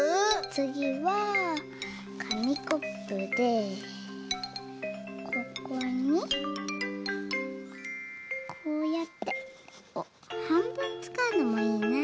つぎはかみコップでここにこうやってはんぶんつかうのもいいな。